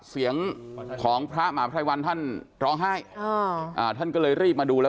เสียงของพระมหาภัยวันท่านร้องไห้อ่าท่านก็เลยรีบมาดูแล้ว